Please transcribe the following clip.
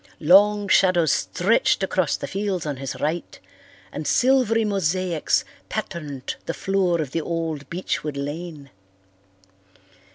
Long shadows stretched across the fields on his right and silvery mosaics patterned the floor of the old beechwood lane.